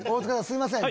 すいません